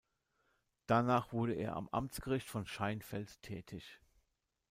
Danach wurde er am Amtsgericht von Scheinfeld tätig.